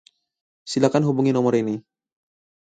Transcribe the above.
Silakan hubungi nomor ini.